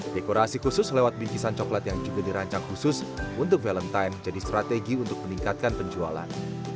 dekorasi khusus lewat bingkisan coklat yang juga dirancang khusus untuk valentine jadi strategi untuk meningkatkan penjualan